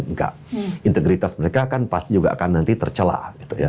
enggak integritas mereka kan pasti juga akan nanti tercelah